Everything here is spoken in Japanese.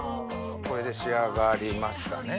これで仕上がりましたね。